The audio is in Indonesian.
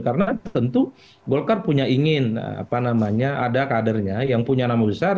karena tentu golkar punya ingin apa namanya ada kadernya yang punya nama besar